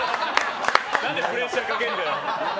何でプレッシャーかけるんだよ。